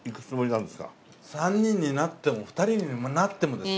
３人になっても２人になってもですね